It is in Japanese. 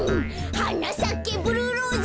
「はなさけブルーローズ」